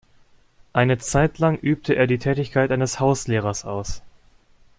Eine Zeitlang übte er die Tätigkeit eines Hauslehrers aus.